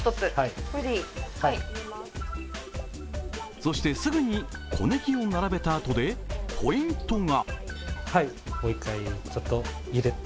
そして、すぐに小ねぎを並べたあとでポイントが。